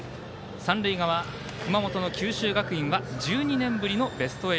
三塁側、熊本の九州学院は１２年ぶりのベスト８。